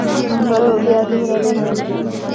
ښه نو بیا دومره لرې نه دی.